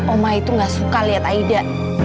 oma itu gak suka lihat aida